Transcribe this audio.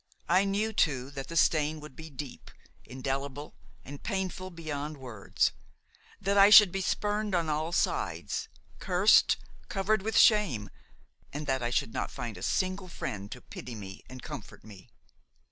I knew too that the stain would be deep, indelible and painful beyond words; that I should be spurned on all sides, cursed, covered with shame, and that I should not find a single friend to pity me and comfort me.